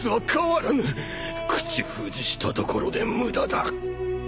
口封じしたところで無駄だ。